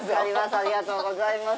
ありがとうございます。